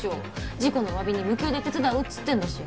事故のお詫びに無給で手伝うっつってんだし。